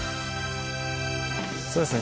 そうですね。